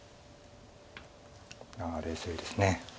冷静です。